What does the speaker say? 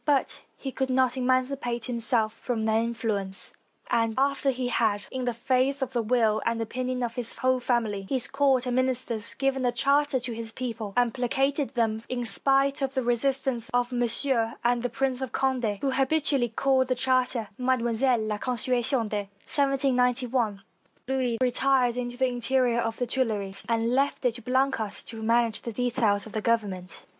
But he could not emancipate himself from their influence; and after he had, in the face of the will and opinion of his whole family, his court and min isters, given a charter to his people, and placated them in spite of the resistance of Monsieur and the Prince of Conde, who habitually called the charter Mademoiselle la Constitution de lygi, Louis retired into the interior of the Tuileries, and left it to Blacas to manage the details of Government.